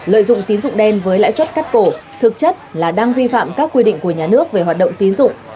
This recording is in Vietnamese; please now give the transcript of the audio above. lợi dụng tín dụng đen với lãi suất cắt cổ thực chất là đang vi phạm các quy định của nhà nước về hoạt động tín dụng